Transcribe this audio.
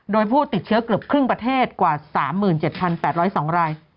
โดยผู้ติดเชื้อเกือบครึ่งประเทศกว่า๓๗๘๐๒ราย